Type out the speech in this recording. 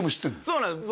そうなんです